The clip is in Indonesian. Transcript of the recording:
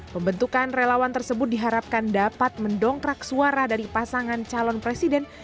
pembentukan relawan tersebut diharapkan dapat mendongkrak suara dari pasangan calon presiden